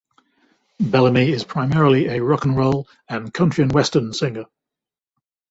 Bellamy is primarily a rock 'n' roll and country-and-western singer.